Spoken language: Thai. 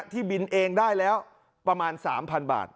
ที่บินเองได้แล้วประมาณ๓๐๐๐บาท